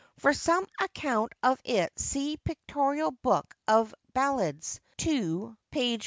For some account of it see Pictorial Book of Ballads, ii.